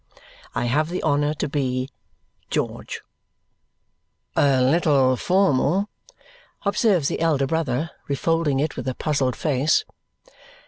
I have the honour to be, GEORGE "A little formal," observes the elder brother, refolding it with a puzzled face.